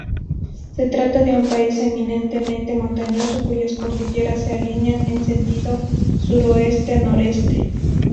Se trata de un país eminentemente montañoso cuyas cordilleras se alinean en sentido suroeste-noreste.